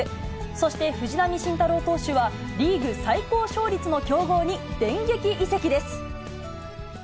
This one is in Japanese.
そして藤浪晋太郎投手は、リーグ最高勝率の強豪に電撃移籍です。